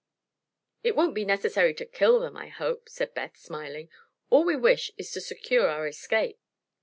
"It won't be necessary to kill them, I hope," said Beth, smiling. "All we wish is to secure our escape."